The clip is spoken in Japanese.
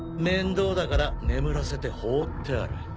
面倒だから眠らせて放ってある。